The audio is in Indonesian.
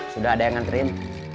sudah ada yang nganterin